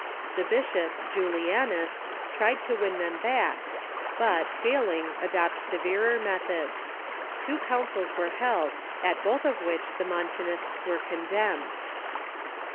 The bishop, Julianas, tried to win them back, but, failing, adopted severer methods. Two councils were held, at both of which the jMontanists were condemned.